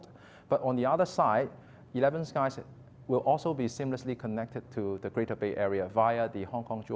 tapi di sisi lain sebelas sky juga tidak terhubung dengan area bayi yang lebih melalui perjalanan perjalanan hongkong macao